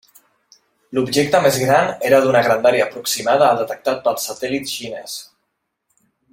L'objecte més gran era d'una grandària aproximada al detectat pel satèl·lit xinès.